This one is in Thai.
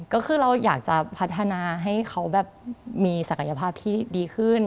ก็คือเราอยากจะพัฒนาให้เขาแบบมีศักยภาพที่ดีขึ้น